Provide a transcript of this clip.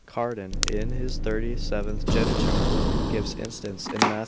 Cardan, in his thirty seventh geniture, gives instance in Matth.